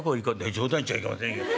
「冗談言っちゃいけませんよ。